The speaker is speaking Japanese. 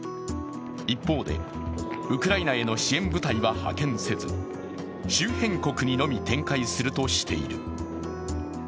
一方で、ウクライナへの支援部隊は派遣せず、周辺国にのみ展開するとしている。